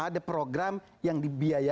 ada program yang berkualitasnya tiga dua juta